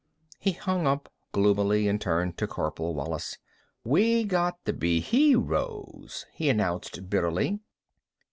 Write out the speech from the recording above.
He hung up, gloomily, and turned to Corporal Wallis. "We' got to be heroes," he announced bitterly.